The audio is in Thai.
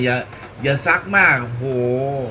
อย่ายะอย่าซักมากโหววววว